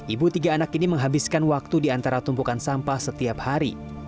ibu tiga anak ini menghabiskan waktu di antara tumpukan sampah setiap hari